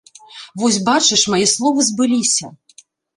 Вось бачыш, мае словы збыліся.